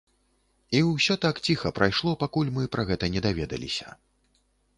І ўсё так ціха прайшло, пакуль мы пра гэта не даведаліся.